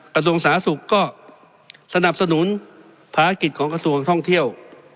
กระทรวงสาธารณสุขก็สนับสนุนภารกิจของกระทรวงท่องเที่ยว